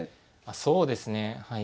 そうですねはい。